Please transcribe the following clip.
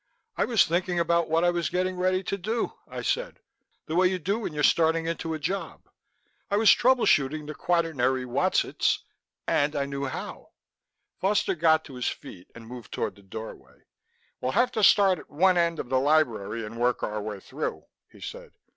"I was thinking about what I was getting ready to do," I said, "the way you do when you're starting into a job; I was trouble shooting the quaternary whatzits and I knew how...!" Foster got to his feet and moved toward the doorway. "We'll have to start at one end of the library and work our way through," he said.